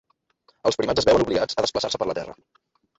Els primats es veuen obligats a desplaçar-se per la terra.